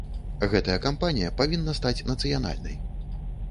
Гэтая кампанія павінна стаць нацыянальнай.